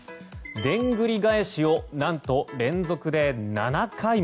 でんぐり返しを何と連続で７回も。